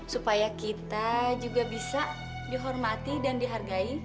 supaya kita juga bisa dihormati dan dihargai